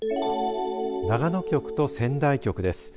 長野局と仙台局です。